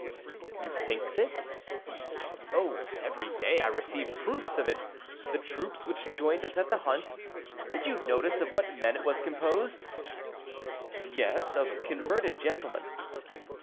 "You think this?" "Oh, every day I receive proofs of it. The troops which joined us at the hunt, did you notice of what men it was composed?" "Yes, of converted gentlemen."